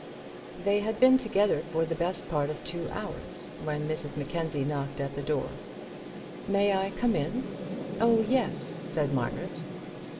They had been together for the best part of two hours, when Mrs Mackenzie knocked at the door. "May I come in?" "Oh, yes," said Margaret.